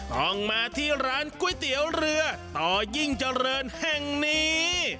ต้องมาที่ร้านก๋วยเตี๋ยวเรือต่อยิ่งเจริญแห่งนี้